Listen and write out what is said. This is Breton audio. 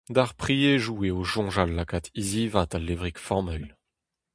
D'ar priedoù eo soñjal lakaat hizivaat al levrig familh.